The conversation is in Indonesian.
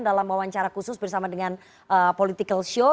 dalam wawancara khusus bersama dengan political show